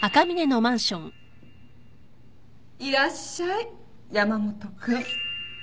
いらっしゃい山本君。